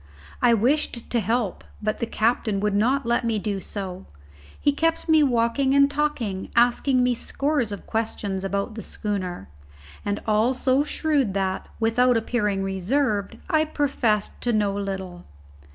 I wished to help, but the captain would not let me do so; he kept me walking and talking, asking me scores of questions about the schooner, and all so shrewd that, without appearing reserved, I professed to know little.